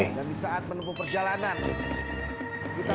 ini gue juga lagi dengar